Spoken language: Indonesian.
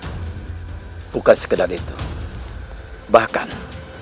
gusti prabu siliwangi bisa sekejam itu terhadap rakyatnya